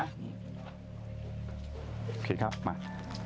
โอเคครับมา